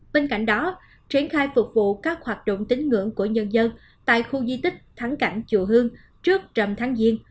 bên cạnh đó triển khai phục vụ các hoạt động tính ngưỡng của nhân dân tại khu di tích thắng cảnh chùa hương trước trầm tháng diên